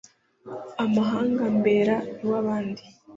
Amahanga ambera iw'abandi